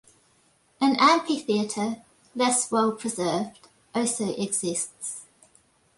An amphitheatre, less well preserved, also exists.